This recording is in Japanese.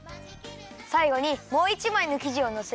さいごにもう１まいのきじをのせるよ。